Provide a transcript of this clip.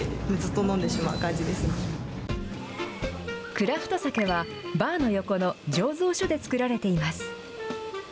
クラフトサケはバーの横の醸造所で造られています。